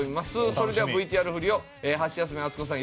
それではＶＴＲ振りをハシヤスメ・アツコさん